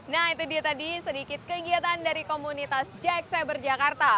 nah itu dia tadi sedikit kegiatan dari komunitas jack cyber jakarta